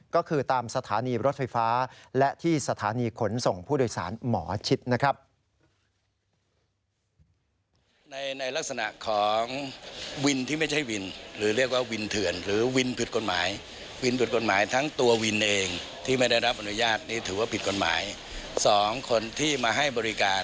ก็คือตามสถานีรถไฟฟ้าและที่สถานีขนส่งผู้โดยสารหมอชิดนะครับ